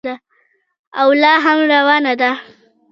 او لا هم روانه ده.